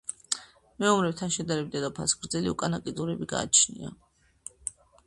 მეომრებთან შედარებით, დედოფალს გრძელი უკანა კიდურები გააჩნია.